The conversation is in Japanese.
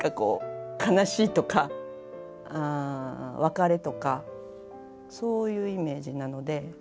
悲しいとか別れとかそういうイメージなので。